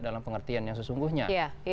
dalam pengertian yang sesungguhnya